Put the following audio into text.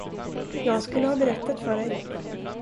Jag skulle ha berättat för dig.